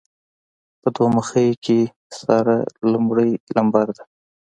په دوه مخۍ کې ساره لمړی لمبر ده.